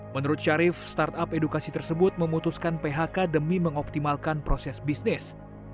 menurut syarif startup edukasi tersebut memutuskan phk demi mengoptimalkan proses bisnis